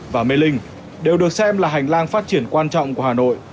và mê linh đều được xem là hành lang phát triển quan trọng của hà nội